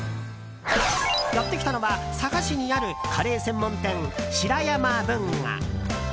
やってきたのは佐賀市にあるカレー専門店、白山文雅。